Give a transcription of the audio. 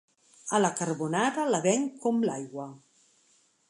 A la carbonara la venc com l'aigua.